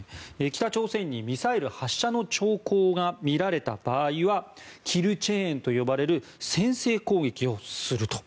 北朝鮮にミサイル発射の兆候が見られた場合はキル・チェーンと呼ばれる先制攻撃をすると。